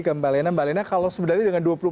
ke mbak alena mbak alena kalau sebenarnya dengan